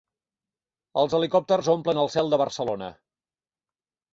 Els helicòpters omplen el cel de Barcelona.